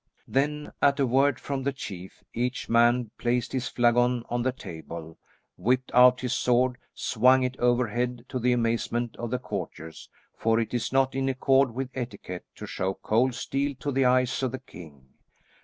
Then at a word from the chief, each man placed his flagon on the table, whipped out his sword, swung it overhead, to the amazement of the courtiers, for it is not in accord with etiquette to show cold steel to the eyes of the king.